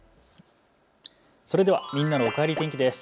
それではみんなのおかえり天気です。